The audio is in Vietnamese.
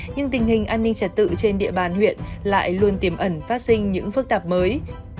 nhưng tình hình an ninh trật tự trên địa bàn huyện lại luôn tiềm ẩn phát sinh những phức tạp mới